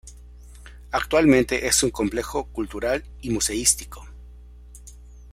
Actualmente es un complejo cultural y museístico.